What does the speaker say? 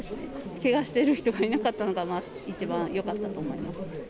けがしている人がいなかったのが、一番よかったと思います。